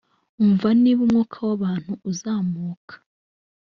umva niba umwuka w’abantu uzamuka